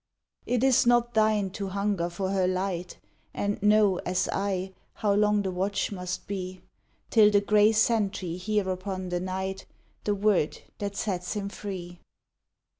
It is not thine to hunger for her light, And know, as I, how long the watch must be Till the grey sentry hear upon the night The word that sets him free.